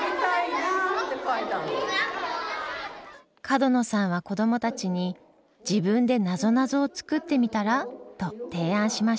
角野さんは子どもたちに「自分でなぞなぞを作ってみたら？」と提案しました。